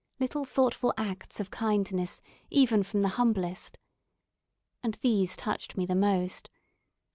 little thoughtful acts of kindness, even from the humblest. And these touched me the most.